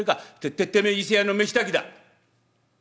「ててめえ伊勢屋の飯炊きだ」。